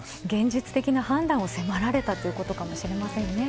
現実的な判断を迫られたということかもしれません。